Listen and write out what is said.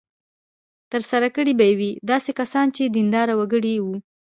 ترسره کړې به وي داسې کسانو چې دینداره وګړي وو.